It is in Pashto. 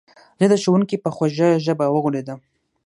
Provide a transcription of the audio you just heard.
زه د ښوونکي په خوږه ژبه وغولېدم